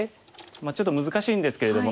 まあちょっと難しいんですけれども。